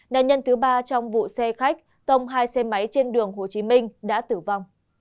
nạn nhân thứ ba trong vụ xe khách tông hai xe máy trên đường hồ chí minh đã tử vong